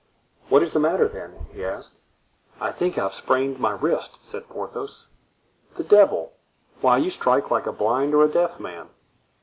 "What is the matter, then?" he asked. "I think I have sprained my wrist,' said Porthos. "The devil! why, you strike like a blind or a deaf man."